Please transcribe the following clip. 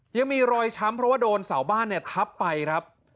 ยังมีรอยช้ำเพราะว่าโดนเสาบ้านเนี่ยทับไปครับ